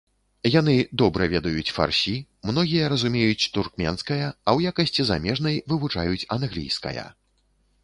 Яны добра ведаюць фарсі, многія разумеюць туркменская, а ў якасці замежнай вывучаюць англійская.